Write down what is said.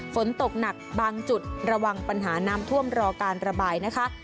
ฝนตกหนักบางจุดระวังปัญหาน้ำท่วมรอการระบายนะคะ